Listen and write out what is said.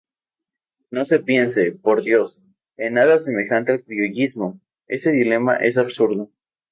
No se piense, por Dios, en nada semejante al criollismo: ese dilema es absurdo.